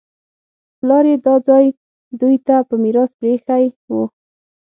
پلار یې دا ځای دوی ته په میراث پرېښی و